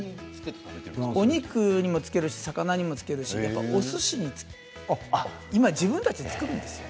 お肉にも魚にもつけるしおすしにもね今、自分たちで作るんですよ